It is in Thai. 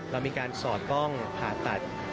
เรามีการสอดกล้องผ่าตัด